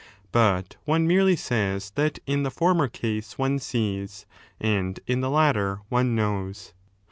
But one merely says that in the former case one sees, and, in the latter, one knows.